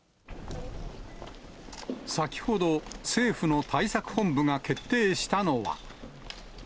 先ほど、政府の対策本部が決定したのは。